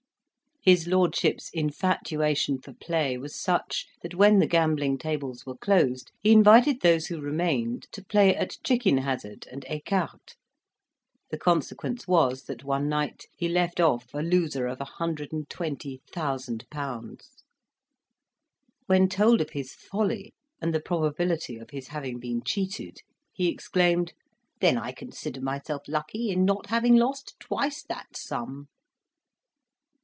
His lordship's infatuation for play was such, that when the gambling tables were closed, he invited those who remained to play at chicken hazard and ecarte; the consequence was that, one night, he left off a loser of 120,000£. When told of his folly and the probability of his having been cheated, he exclaimed, "Then I consider myself lucky in not having lost twice that sum!"